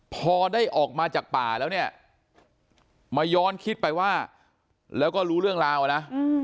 พอได้ออกมาจากป่าแล้วเนี่ยมาย้อนคิดไปว่าแล้วก็รู้เรื่องราวนะ